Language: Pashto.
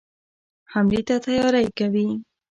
حملې ته تیاری کوي.